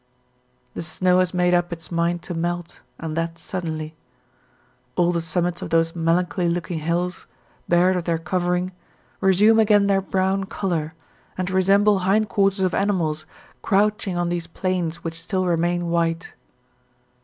The snow has made up its mind to melt, and that suddenly. All the summits of those melancholy looking hills, bared of their covering, resume again their brown colour and resemble hindquarters of animals couching on these plains which still remain white.